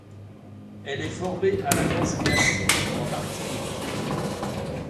Elle est formée à la danse classique en Martinique.